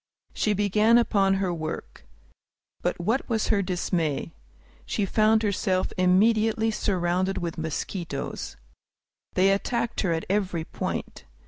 She began upon her work. But what was her dismay! She found herself immediately surrounded with mosquitoes. They attacked her at every point.